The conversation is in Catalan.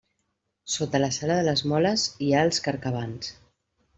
Sota la sala de les moles hi ha els carcabans.